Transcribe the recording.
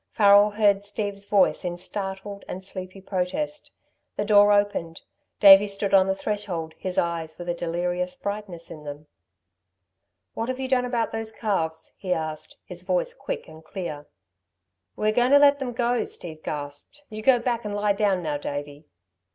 Farrel heard Steve's voice in startled and sleepy protest. The door opened, Davey stood on the threshold his eyes with a delirious brightness in them. "What have you done about those calves?" he asked, his voice quick and clear. "We are going to let 'em go," Steve gasped. "You go back and lie down now, Davey."